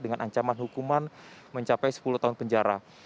dengan ancaman hukuman mencapai sepuluh tahun penjara